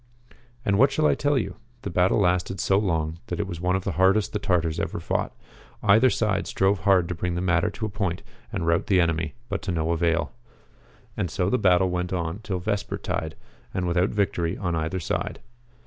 And what shall I tell you? The battle lasted so long that it was one of the hardest the Tartars ever fought. Either side strove hard to bring the matter to a point and rout the enemy, but to no avail. And so the battle went on till vesper tide, and without victory on either side.